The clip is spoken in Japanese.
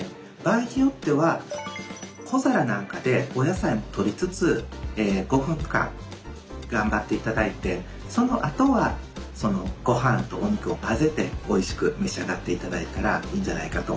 場合によっては小皿なんかでお野菜もとりつつ５分間頑張っていただいてそのあとはごはんとお肉を混ぜておいしく召し上がっていただいたらいいんじゃないかと思います。